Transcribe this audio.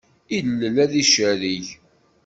Illel ad icerreg.